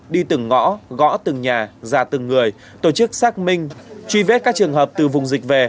đi từng ngõ gõ từng nhà ra từng người tổ chức xác minh truy vết các trường hợp từ vùng dịch về